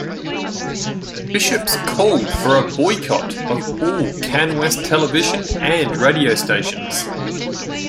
Bishops called for a boycott of all CanWest television and radio stations.